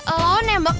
oh nembak gue